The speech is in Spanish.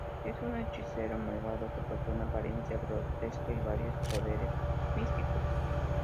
Es un hechicero malvado, que posee una apariencia grotesca y varios poderes místicos.